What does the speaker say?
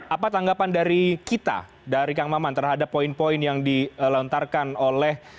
apa tanggapan dari kita dari kang maman terhadap poin poin yang dilontarkan oleh